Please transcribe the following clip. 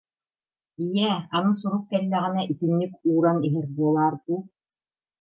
ийээ, аны сурук кэллэҕинэ, итинник ууран иһэр буолаар дуу